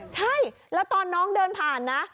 ใช่แล้วตอนน้องเดินผ่านนะ